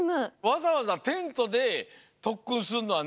わざわざテントでとっくんすんのはなんで？